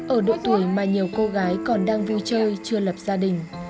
ở độ tuổi mà nhiều cô gái còn đang vui chơi chưa lập gia đình